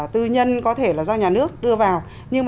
tư nhân có thể là do nhà nước đưa vào